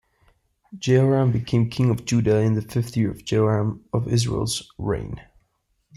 Jehoram became king of Judah in the fifth year of Jehoram of Israel's reign.